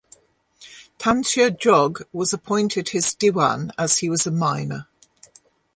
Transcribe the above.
Tantia Jog was appointed his Diwan as he was a minor.